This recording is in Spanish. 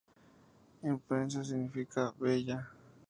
En persa significa "bella".